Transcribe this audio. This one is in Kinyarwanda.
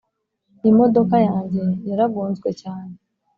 imodoka yanjye yaragonzwe cyane